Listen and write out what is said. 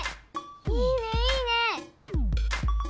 いいねいいね！